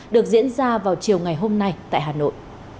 được diễn ra vào chiều ngày hôm nay tại hà nội